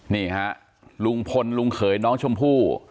นี่ฮะลุงพลลุงเขยน้องชมพู่